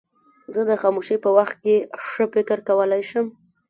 زه د خاموشۍ په وخت کې ښه فکر کولای شم.